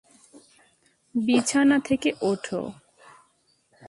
বিছানা থেকে ওঠো!